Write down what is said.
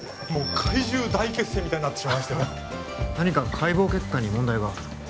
もう怪獣大決戦みたいになってしまいましてもう何か解剖結果に問題が？